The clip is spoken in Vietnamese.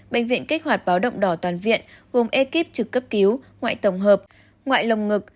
bệnh viện kích hoạt báo động đỏ toàn viện gồm ekip trực cấp cứu ngoại tổng hợp ngoại lồng ngực